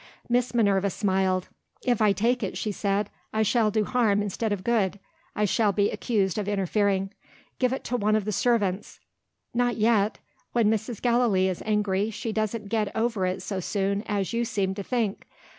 Miss Minerva smiled. "If I take it," she said, "I shall do harm instead of good I shall be accused of interfering. Give it to one of the servants. Not yet! When Mrs. Gallilee is angry, she doesn't get over it so soon as you seem to think.